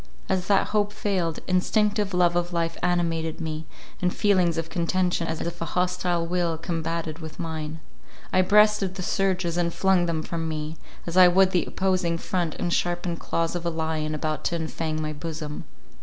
As that hope failed, instinctive love of life animated me, and feelings of contention, as if a hostile will combated with mine. I breasted the surges, and flung them from me, as I would the opposing front and sharpened claws of a lion about to enfang my bosom.